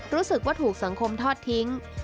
รู้สึกว่าถูกสังคมทอดทิ้ง